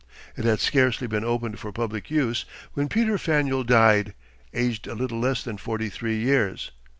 It had scarcely been opened for public use when Peter Faneuil died, aged a little less than forty three years.